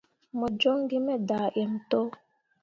Mo joŋ gi me daaǝǝm to.